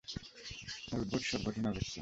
আর উদ্ভুট সব ঘটনা ঘটছে।